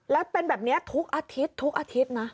แล้วเป็นแบบนี้ทุกอาทิตย์นะ